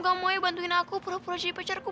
kamu aja bantuin aku pura pura jadi pacar aku